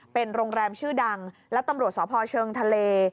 เป็นโรงแรมชื่อดังและตำรวจสพเชิงทะเล